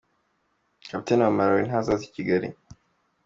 Kapiteni wa Malawi ntazaza i Kigali.